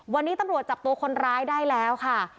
วันนี้ตำรวจจับตัวคนร้ายได้แล้วค่ะ